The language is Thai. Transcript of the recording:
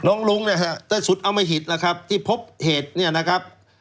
น้องรุ้งเนี่ยสุดอมหิตนะครับที่พบเหตุเนี่ยนะครับ